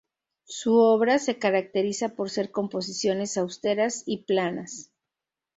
Su obra se caracteriza por ser composiciones austeras y planas.